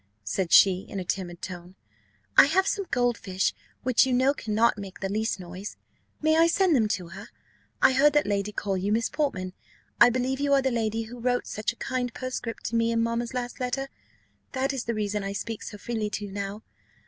said she, in a timid tone. "I have some gold fish, which you know cannot make the least noise: may I send them to her? I heard that lady call you Miss Portman: I believe you are the lady who wrote such a kind postscript to me in mamma's last letter that is the reason I speak so freely to you now.